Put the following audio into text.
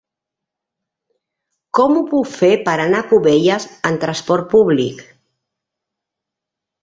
Com ho puc fer per anar a Cubelles amb trasport públic?